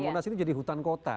monas itu jadi hutan kota